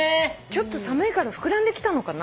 ちょっと寒いから膨らんできたのかな？